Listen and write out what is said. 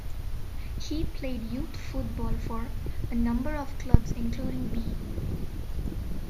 He played youth football for a number of clubs, including B.